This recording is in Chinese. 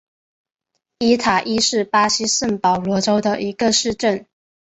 伊塔伊是巴西圣保罗州的一个市镇。